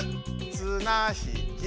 「つなひき」。